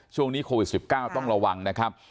ช่วงนี้โควิด๑๙ต้องระวังนะครับ